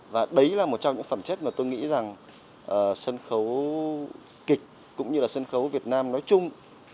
và đấy là một trong những phẩm chất mà tôi nghĩ rằng sân khấu kịch cũng như là sân khấu việt nam nói chung